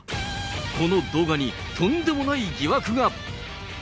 この動画に、とんでもない疑惑が。